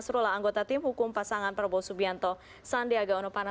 saya cuma mengucapkan salamannya